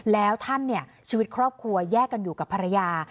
แล้วท่านเนี่ยชีวิตครอบครัวแยกกันอยู่กับภรรยา